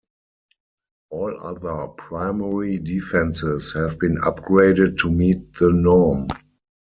All other primary defences have been upgraded to meet the norm.